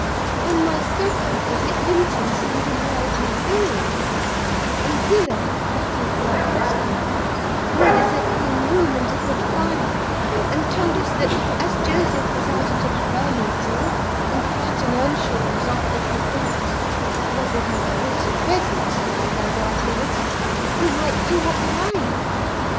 "On my second visit Linton seemed in lively spirits; and Zillah (that is their housekeeper) made us a clean room and a good fire, and told us that, as Joseph was out at a prayer meeting and Hareton Earnshaw was off with his dogs—robbing our woods of pheasants, as I heard afterwards—we might do what we liked.